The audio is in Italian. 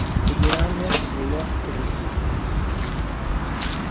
Seguiranno i playoff per il titolo.